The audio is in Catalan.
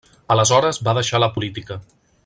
Aleshores va deixar la política.